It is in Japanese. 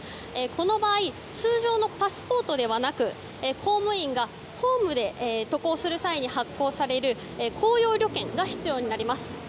この場合通常のパスポートではなく公務員が公務で渡航する際に発行される公用旅券が必要になります。